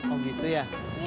oh gitu ya